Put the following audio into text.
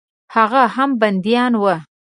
هغه هم بندیان وه.